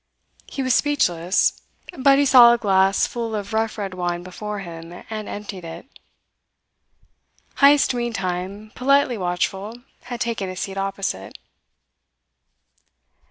He was speechless, but he saw a glass full of rough red wine before him, and emptied it. Heyst meantime, politely watchful, had taken a seat opposite.